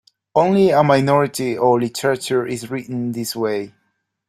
Only a minority of literature is written this way.